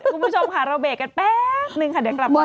คุณผู้ชมค่ะเราเบรกกันแป๊บนึงค่ะเดี๋ยวกลับมา